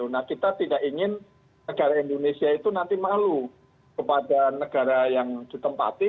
nah kita tidak ingin negara indonesia itu nanti malu kepada negara yang ditempati